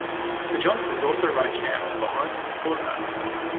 The Johnsons also run a camp for high school quarterbacks.